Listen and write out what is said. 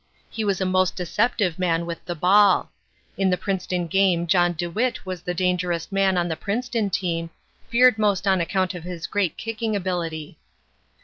He was a most deceptive man with the ball. In the Princeton game John DeWitt was the dangerous man on the Princeton team, feared most on account of his great kicking ability.